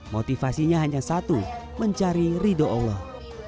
motivasinya hanya satu mencari ridho allah